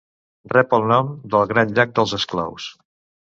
Rep el nom del Gran Llac dels Esclaus.